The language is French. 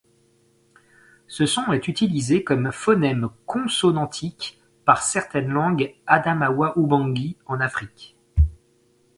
Ce son est utilisé comme phonème consonantique par certaines langues adamawa-ubangi en Afrique.